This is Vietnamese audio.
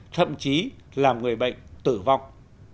thậm chí làm người bệnh tử vong